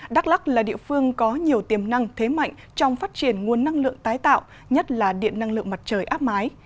đắk lắc là địa phương có nhiều tiềm năng thế mạnh trong phát triển nguồn năng lượng tái tạo nhất là điện năng lượng mặt trời áp mái